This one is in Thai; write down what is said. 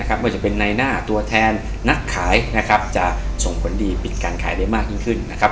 ว่าจะเป็นในหน้าตัวแทนนักขายนะครับจะส่งผลดีปิดการขายได้มากยิ่งขึ้นนะครับ